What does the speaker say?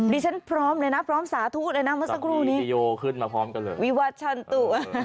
ดิฉันพร้อมเลยนะพร้อมสาธุเลยนะเมื่อสักครู่นี้วิวัชชันตุ